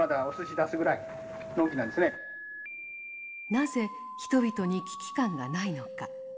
なぜ人々に危機感がないのか。